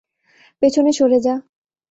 পেছনে সরে যা।